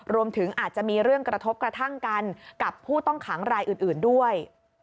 รวมถึงอาจจะมีเรื่องกระทบกระทั่งกันกับผู้ต้องขังรายอื่นด้วย